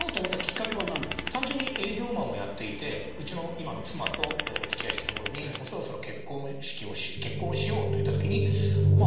単純に営業マンをやっていてうちの今の妻とおつきあいしてる頃にそろそろ結婚をしようといった時にまあ